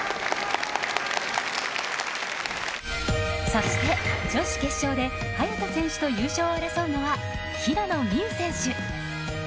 そして女子決勝で早田選手と優勝を争うのは平野美宇選手。